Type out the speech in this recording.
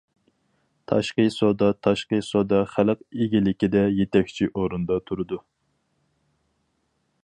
تاشقى سودا تاشقى سودا خەلق ئىگىلىكىدە يېتەكچى ئورۇندا تۇرىدۇ.